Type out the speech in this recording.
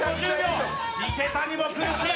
池谷も苦しい。